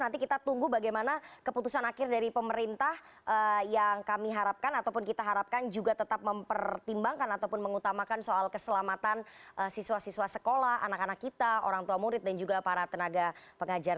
nanti kita tunggu bagaimana keputusan akhir dari pemerintah yang kami harapkan ataupun kita harapkan juga tetap mempertimbangkan ataupun mengutamakan soal keselamatan siswa siswa sekolah anak anak kita orang tua murid dan juga para tenaga pengajar